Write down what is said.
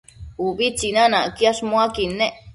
Ubi tsinanacquiash muaquid nec